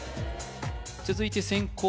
続いて先攻